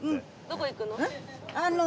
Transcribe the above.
どこ行くの？